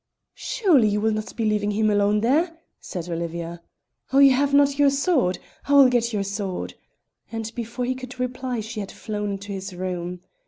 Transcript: "Surely you will not be leaving him alone there," said Olivia. "Oh! you have not your sword. I will get your sword." And before he could reply she had flown to his room.